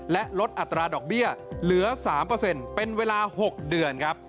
และลดอัตราดอกเบี้ยเหลือ๓เป็นเวลา๖เดือนครับ